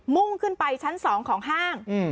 มุ่งขึ้นไปชั้นสองของห้าง